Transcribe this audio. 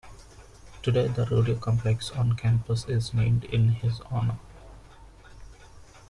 Today, the rodeo complex on campus is named in his honor.